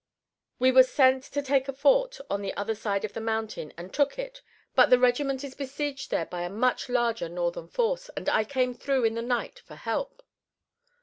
We were sent to take a fort on the other side of the mountain and took it, but the regiment is besieged there by a much larger Northern force, and I came through in the night for help."